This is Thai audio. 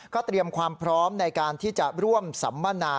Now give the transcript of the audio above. เตรียมความพร้อมในการที่จะร่วมสัมมนา